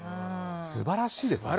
素晴らしいです。